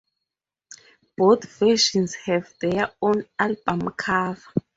Both versions have their own album cover.